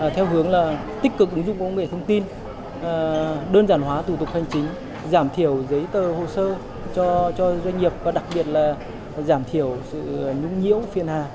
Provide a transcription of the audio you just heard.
theo hướng là tích cực ứng dụng công nghệ thông tin đơn giản hóa thủ tục hành chính giảm thiểu giấy tờ hồ sơ cho doanh nghiệp và đặc biệt là giảm thiểu sự nhũng nhiễu phiên hà